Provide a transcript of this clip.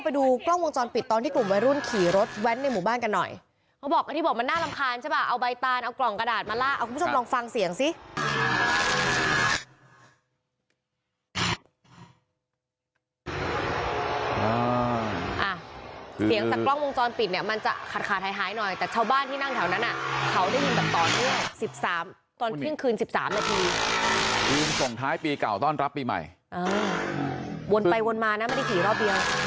ไปรุ่นขี่รถแว้นในหมู่บ้านกันหน่อยเขาบอกก็ที่บอกมันน่ารำคาญใช่ป่ะเอาใบตานเอากล่องกระดาษมาล่ะเอาคุณผู้ชมลองฟังเสียงสิอ่าเสียงจากกล้องวงจรปิดเนี่ยมันจะขาดไห้หน่อยแต่เช่าบ้านที่นั่งแถวนั้นอ่ะเขาได้ยินแต่ตอนนี้๑๓ตอนพิพย์เชิงคืน๑๓นาทีอืมส่งท้ายปีเก่าต้อนรับปีใหม่เออว